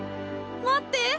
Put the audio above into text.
待って！